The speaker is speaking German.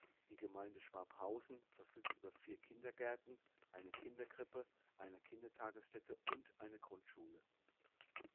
Die Gemeinde Schwabhausen verfügt über vier Kindergärten, eine Kinderkrippe, einen Kindertagesstätte und eine Grundschule.